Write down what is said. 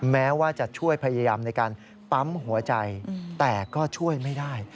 แม้ว่าจะช่วยพยายามในการปั๊มหัวใจแต่ก็ช่วยไม่ได้